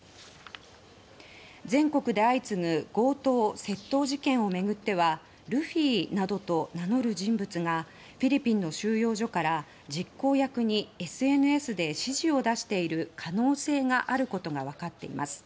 全国で相次ぐ強盗・窃盗事件を巡ってはルフィなどと名乗る人物がフィリピンの収容所から実行役にＳＮＳで指示を出している可能性があることが分かっています。